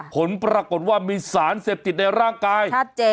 ผลปรากฏว่ามีสารเสพติดในร่างกายชัดเจน